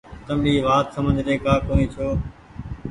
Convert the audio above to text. تم اي وآت سمجه ري ڪآ ڪونيٚ ڇو۔